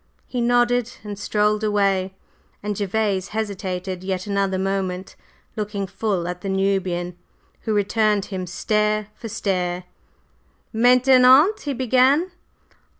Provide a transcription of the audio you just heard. He nodded and strolled away, and Gervase hesitated yet another moment, looking full at the Nubian, who returned him stare for stare. "Maintenant?" he began.